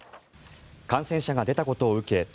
感染者が出たことを受け